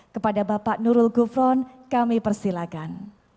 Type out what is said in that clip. kepada bapak nurul gufron kami persilakan